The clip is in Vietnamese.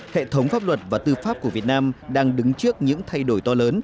hệ thống pháp luật và tư pháp của việt nam đang đứng trước những thay đổi to lớn